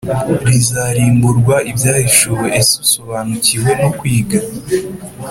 rizarimburwa Ibyahishuwe Ese usobanukiwe no kwiga